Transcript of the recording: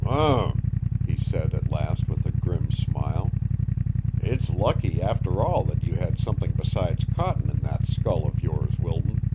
"Um!" he said at last with a grim smile. "It's lucky, after all, that you had something besides cotton in that skull of yours, Wilton."